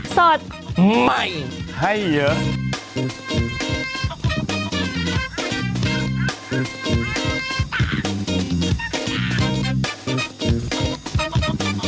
สอด